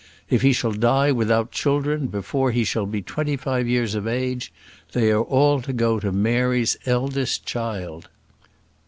If he shall die without children before he shall be twenty five years of age, they are all to go to Mary's eldest child."